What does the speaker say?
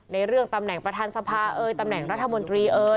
ในเรื่องตำแหน่งประธานสภาตำแหน่งรัฐบนตรี